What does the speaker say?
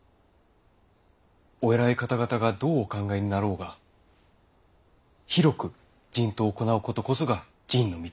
お偉い方々がどうお考えになろうが広く人痘を行うことこそが仁の道。